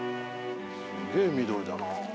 すげえ緑だな。